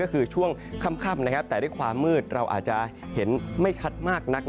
ก็คือช่วงค่ำแต่ด้วยความมืดเราอาจจะเห็นไม่ชัดมากนัก